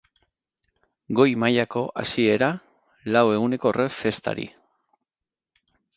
Goi mailako hasiera, lau eguneko rock festari.